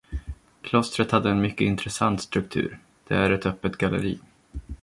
Klostret hade en mycket intressant struktur – det är ett öppet galleri.